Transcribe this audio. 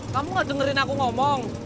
kamu gak dengerin aku ngomong